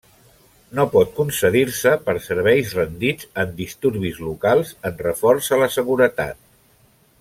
No pot concedir-se per serveis rendits en disturbis locals en reforç a la seguretat.